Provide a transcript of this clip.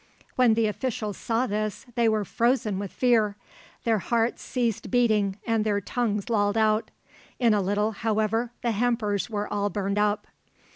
When the officials saw this they were frozen with fear; their hearts ceased beating and their tongues lolled out. In a little, however, the hampers were all burned up.